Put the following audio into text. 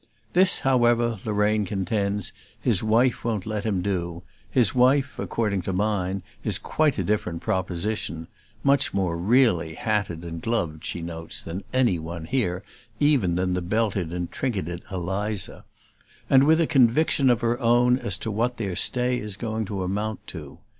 This, however, Lorraine contends, his wife won't let him do; his wife, according to mine, is quite a different proposition (much more REALLY hatted and gloved, she notes, than any one here, even than the belted and trinketed Eliza) and with a conviction of her own as to what their stay is going to amount to.